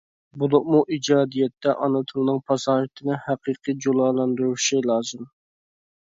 بولۇپمۇ ئىجادىيەتتە ئانا تىلنىڭ پاساھىتىنى ھەقىقىي جۇلالاندۇرۇشى لازىم.